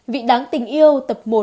vị đáng tình yêu tập một